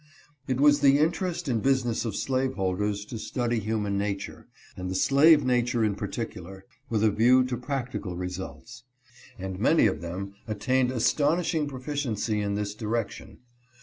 It was the interest and business of slaveholders to study human nature, and the slave nature in particular, with a view to practical results ; and many of them attained astonishing proficiency in this direction.